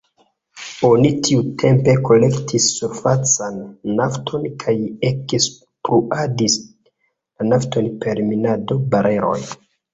Oni tiutempe kolektis surfacan nafton kaj ekspluatis la nafton per minado, bareloj.